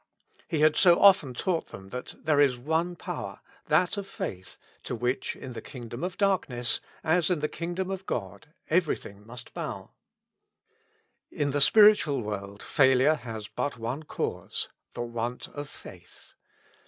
He had so often taught them that there is one power, that of faith, to which, in the kingdom of darkness, as in the kingdom of God, everything must bow ; in the spiritual world failure has but one cause, the want of faith.